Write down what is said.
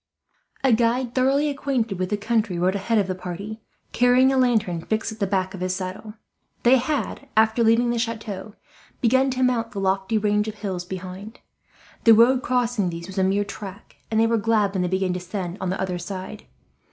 A guide thoroughly acquainted with the country rode ahead of the party, carrying a lantern fixed at the back of his saddle. They had, after leaving the chateau, begun to mount the lofty range of hills behind. The road crossing these was a mere track, and they were glad when they began to descend on the other side.